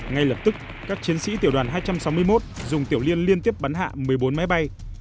ngay lập tức các chiến sĩ tiểu đoàn hai trăm sáu mươi một dùng tiểu liên liên tiếp bắn hạ một mươi bốn máy bay